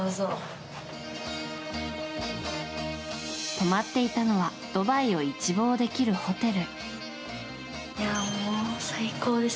泊まっていたのはドバイを一望できるホテル。